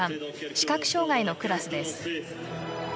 視覚障がいのクラスです。